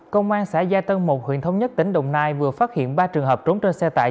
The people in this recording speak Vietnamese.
công an xã gia tân một huyện thống nhất tỉnh đồng nai vừa phát hiện ba trường hợp trốn trên xe tải